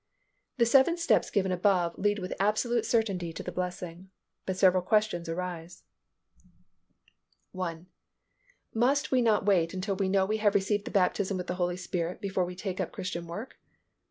The seven steps given above lead with absolute certainty into the blessing. But several questions arise: 1. _Must we not wait until we know we have received the baptism with the Holy Spirit before we take up Christian work?